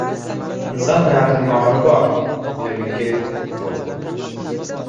• Inson hayotining oxiri bor, ilmniki — yo‘q.